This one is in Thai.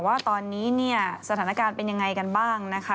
ว่าตอนนี้เนี่ยสถานการณ์เป็นยังไงกันบ้างนะคะ